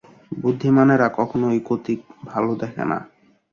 বুদ্ধিমানেরা কখনোই গতিক ভালো দেখে না।